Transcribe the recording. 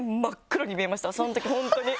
そのとき本当に。